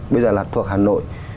bây giờ là thuộc hà nội